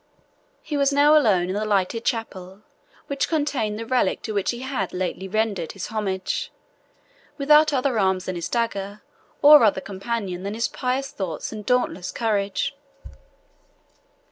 He was now alone in the lighted chapel which contained the relic to which he had lately rendered his homage, without other arms than his dagger, or other companion than his pious thoughts and dauntless courage.